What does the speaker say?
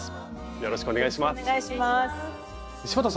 よろしくお願いします。